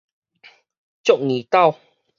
足硬鬥